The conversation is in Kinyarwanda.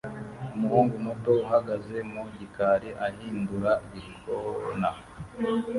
Umuhungu muto uhagaze mu gikari ahindura igikona